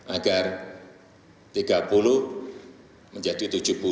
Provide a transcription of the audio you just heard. agar tiga puluh menjadi tujuh puluh